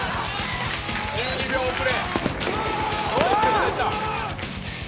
１２秒遅れ。